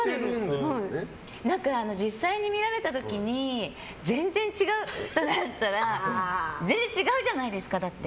実際に見られた時に全然違うってなったら全然違うじゃないですか、だって。